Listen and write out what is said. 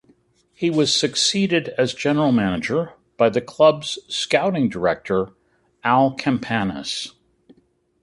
He was succeeded as general manager by the club's scouting director, Al Campanis.